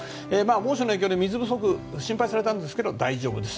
猛暑の影響で水不足が心配されたんですが大丈夫です。